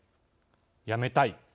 「やめたい。